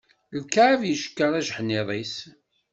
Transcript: Ikεeb icekkeṛ ajeḥniḍ-is.